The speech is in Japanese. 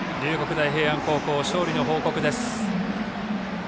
大平安高校勝利の報告です。